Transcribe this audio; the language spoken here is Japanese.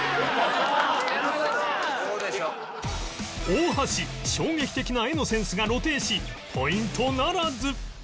大橋衝撃的な絵のセンスが露呈しポイントならず